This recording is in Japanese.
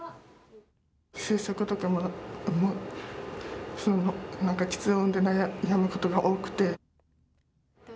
就職とかも、なんか、きつ音で悩むことが多くて。